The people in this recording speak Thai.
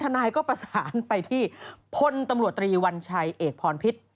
นายก็ประสานไปที่พลตำรวจตรีวัญชัยเอกพรพิษ